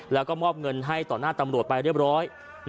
แล้วก็มอบเงินให้ต่อหน้าตำรวจไปเรียบร้อย